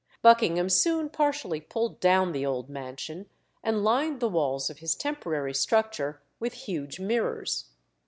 Buckingham soon partially pulled down the old mansion, and lined the walls of his temporary structure with huge mirrors.